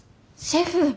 シェフ。